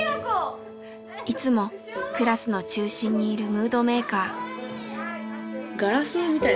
いつもクラスの中心にいるムードメーカー。